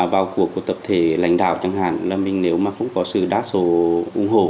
vào cuộc của tập thể lãnh đạo chẳng hạn là mình nếu mà không có sự đa số ủng hộ